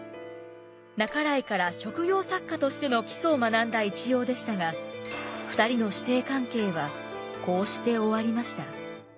半井から職業作家としての基礎を学んだ一葉でしたが２人の師弟関係はこうして終わりました。